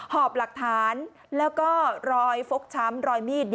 หอบหลักฐานแล้วก็รอยฟกช้ำรอยมีด